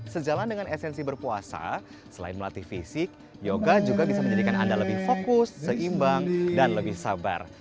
sejalan dengan esensi berpuasa selain melatih fisik yoga juga bisa menjadikan anda lebih fokus seimbang dan lebih sabar